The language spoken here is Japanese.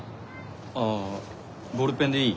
あぁボールペンでいい？